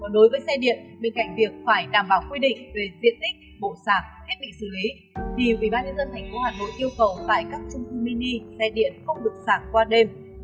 đối với xe điện bên cạnh việc phải đảm bảo quy định về diện tích bộ sạc thiết bị xử lý thì ubnd tp hà nội yêu cầu tại các trung cư mini xe điện không được sạc qua đêm